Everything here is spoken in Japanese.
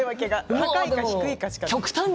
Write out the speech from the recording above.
高いか低いかで。